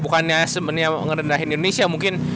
bukannya sebenarnya ngerendahin indonesia mungkin